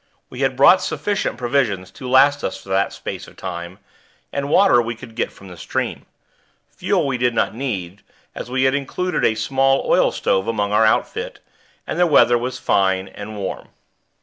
We had brought sufficient provisions to last us for that space of time, and water we could get from the stream. Fuel we did not need, as we had included a small oil stove among our outfit, and the weather was fine and warm.